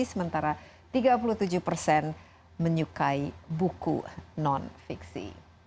sementara tiga puluh tujuh persen menyukai buku non fiksi